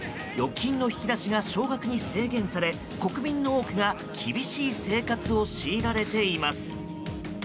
預金の引き出しが少額に制限され国民の多くが厳しい生活を強いられています。